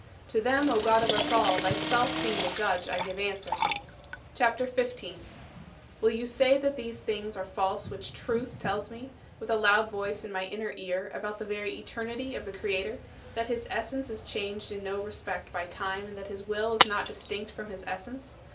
To them, O God of us all, thyself being the judge, I give answer. CHAPTER XV 18. "Will you say that these things are false which Truth tells me, with a loud voice in my inner ear, about the very eternity of the Creator: that his essence is changed in no respect by time and that his will is not distinct from his essence?